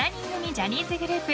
ジャニーズグループ